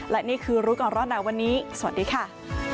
และนี่คือรู้ก่อนร้อนหนาวันนี้สวัสดีค่ะ